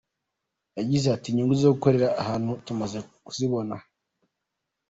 Yagize ati “Inyungu zo gukorera hano tumaze kuzibona.